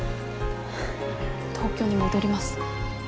東京に戻ります。